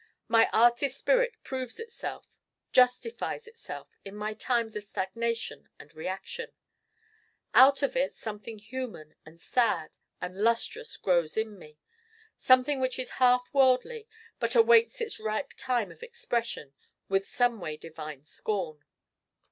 My Artist spirit proves itself, justifies itself in my times of stagnation and reaction. Out of it something human and sad and lustrous grows in me, something which is half worldly but awaits its ripe time of expression with someway divine scorn.